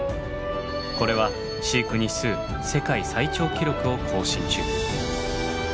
これは飼育日数世界最長記録を更新中。